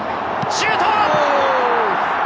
シュート！